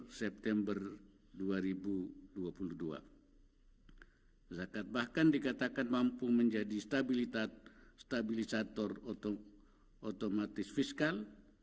satu september dua ribu dua puluh dua zakat bahkan dikatakan mampu menjadi stabilisator otomatis fiskal